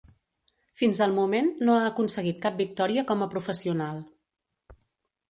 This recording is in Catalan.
Fins al moment no ha aconseguit cap victòria com a professional.